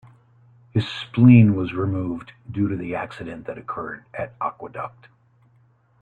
His spleen was removed due to the accident that occurred at Aqueduct.